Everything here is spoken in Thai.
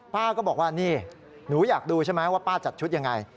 ป้าก็บอกว่านี่หนูอยากดูใช่ไหมว่าป้าจัดชุดยังไง